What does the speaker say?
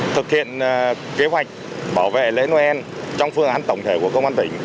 thực hiện kế hoạch bảo vệ lễ noel trong phương án tổng thể của công an tỉnh